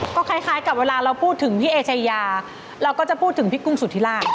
ก็คล้ายกับเวลาเราพูดถึงพี่เอชายาเราก็จะพูดถึงพี่กุ้งสุธิราช